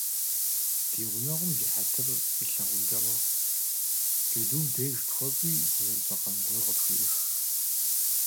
Ди гъунэгъум ди хьэтыр къилъагъункӏэ мэхъу: джэдум деж тхуэкӏуи, дызэдзэкъэн гуэр къытхуеӏых.